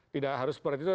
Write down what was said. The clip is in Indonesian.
tidak harus seperti itu